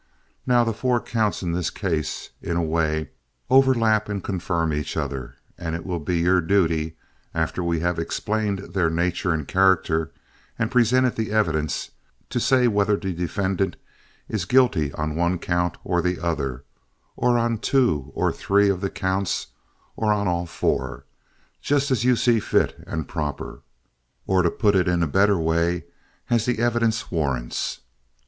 Now, the four counts in this case, in a way, overlap and confirm each other, and it will be your duty, after we have explained their nature and character and presented the evidence, to say whether the defendant is guilty on one count or the other, or on two or three of the counts, or on all four, just as you see fit and proper—or, to put it in a better way, as the evidence warrants.